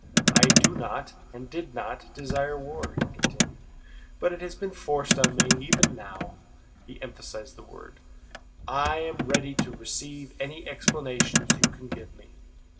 "I do not, and did not, desire war," he continued, "but it has been forced on me. Even now" (he emphasized the word) "I am ready to receive any explanations you can give me."